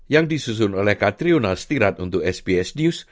yang disusun oleh katrional stirat untuk sbs news